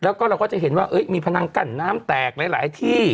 แล้วก็เราก็จะเห็นว่ามีพนังกั้นน้ำแตกหลายที่